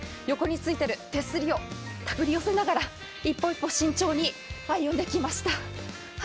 横についている手すりを手繰り寄せながら一歩一歩、慎重に歩んできました。